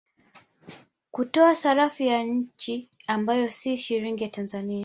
Kutoa sarafu ya nchi ambayo ni Shilingi ya Tanzania